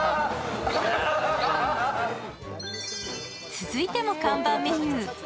続いても看板メニュー。